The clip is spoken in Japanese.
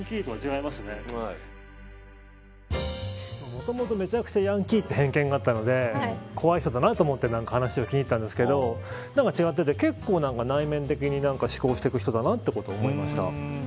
もともとめちゃくちゃヤンキーって偏見があったので怖い人だなと思って話を聞きに行ったんですけど何か違ってて、結構、内面的に思考していく人だと思いました。